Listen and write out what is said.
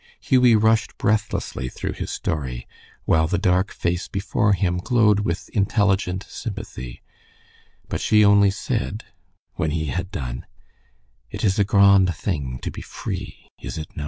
Hughie rushed breathlessly through his story, while the dark face before him glowed with intelligent sympathy, but she only said, when he had done, "It is a graund thing to be free, is it no'?"